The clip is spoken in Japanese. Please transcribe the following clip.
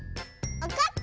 わかった。